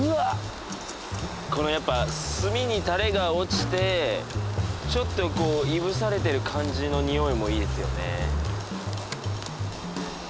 このやっぱ炭にタレが落ちてちょっとこういぶされてる感じの匂いもいいですよね